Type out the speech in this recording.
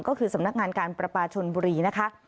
ก็คือสำนักงานการประปาชนบุรีนะคะ